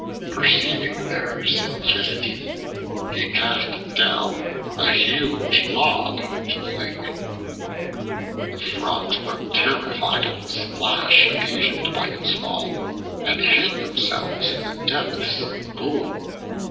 Perceiving their simplicity, he cast down a huge log into the lake. The Frogs were terrified at the splash occasioned by its fall and hid themselves in the depths of the pool.